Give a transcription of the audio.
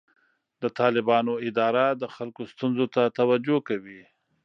د طالبانو اداره د خلکو ستونزو ته توجه کوي.